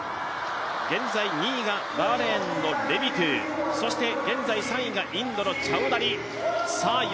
現在２位がバーレーンのレビトゥ、そして現在３位がインドのチャウダリ。